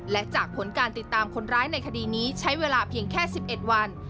และจากผลการติดตามคนร้ายในคดีนี้ใช้เวลาเพียงแค่๑๑วัน